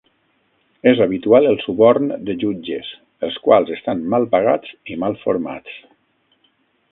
És habitual el suborn de jutges, els quals estan mal pagats i mal formats.